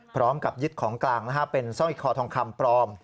พร้อมกับยึดของกลางเป็นสร้อยคอทองคำปลอม